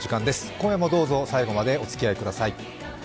今夜もどうぞ最後までおつきあいください。